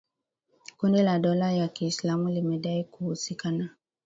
Kundi la dola ya Kiislamu limedai kuhusika na